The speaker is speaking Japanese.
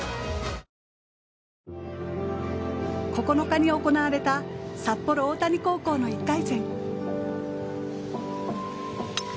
９日に行われた札幌大谷高校の１回戦。